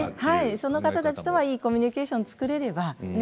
その方たちとはいいコミュニケーションつくれればね